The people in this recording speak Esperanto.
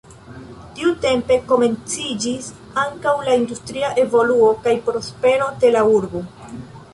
Tiutempe komenciĝis ankaŭ la industria evoluo kaj prospero de la urbo.